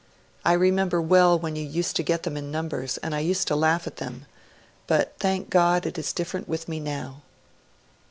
I, remember well when you used to get them in numbers, and I used to laugh at them; but, thank God, it is different with me now.